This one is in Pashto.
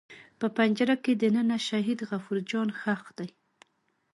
په پنجره کې دننه شهید غفور جان ښخ دی.